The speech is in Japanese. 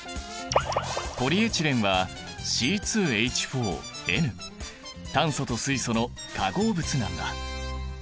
ポリエチレンは炭素と水素の化合物なんだ。